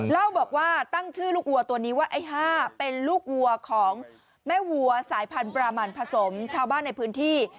เล่าบอกว่าตั้งชื่อลูกวัวตัวนี้ว่าไอ้๕เป็นลูกวัวของแม่วัวสายพันธรามันผสมชาวบ้านในพื้นที่